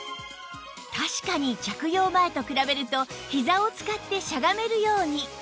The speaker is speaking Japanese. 確かに着用前と比べるとひざを使ってしゃがめるように